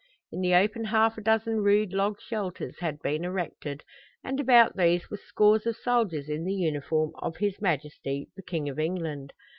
In the open half a dozen rude log shelters had been erected, and about these were scores of soldiers in the uniform of his Majesty, the King of England.